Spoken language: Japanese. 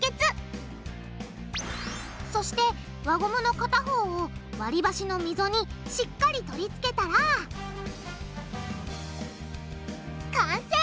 そして輪ゴムの片方を割り箸の溝にしっかり取り付けたら完成！